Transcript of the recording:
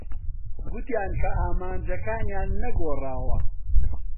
گوتیان کە ئامانجەکانیان نەگۆڕاوە.